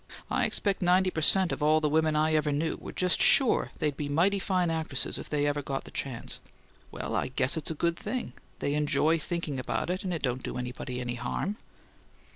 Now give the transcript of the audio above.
I expect ninety per cent. of all the women I ever knew were just sure they'd be mighty fine actresses if they ever got the chance. Well, I guess it's a good thing; they enjoy thinking about it and it don't do anybody any harm."